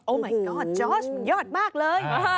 โอ้มายก๊อดจอร์ชมันยอดมากเลย